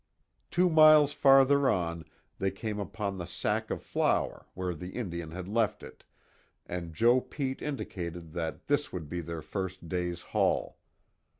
Two miles farther on they came upon the sack of flour where the Indian had left it and Joe Pete indicated that this would be their first day's haul.